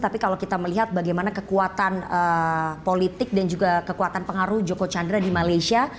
tapi kalau kita melihat bagaimana kekuatan politik dan juga kekuatan pengaruh joko chandra di malaysia